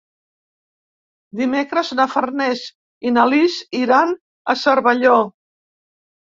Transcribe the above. Dimecres na Farners i na Lis iran a Cervelló.